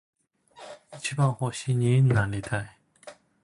一番星になりたい。